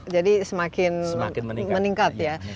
jadi semakin meningkat ya